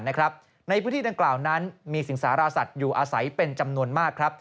ในพื้นที่ดังกล่าวนั้นมีสิงสารสัตว์อยู่อาศัยเป็นจำนวนมากครับ